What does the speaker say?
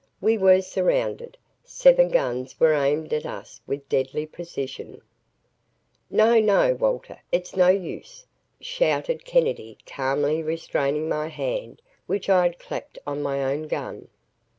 We were surrounded. Seven guns were aimed at us with deadly precision. "No no Walter it's no use," shouted Kennedy calmly restraining my hand which I had clapped on my own gun.